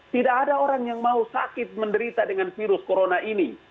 tidak ada orang yang mau sakit menderita dengan virus corona ini